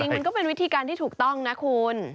มันก็เป็นวิธีการที่ถูกต้องนะคุณ